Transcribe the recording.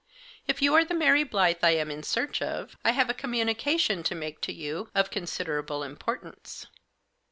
If you are the Mary Blyth I am in search of I have a communication to make to you of considerable importance."